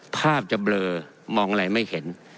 ภาพจะเบลอมองอะไรไม่เห็น